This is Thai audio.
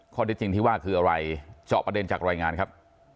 ข้อทฤทธิ์ว่าคืออะไรเจาะประเด็นจากรายงานครับ